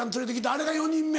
あれが４人目？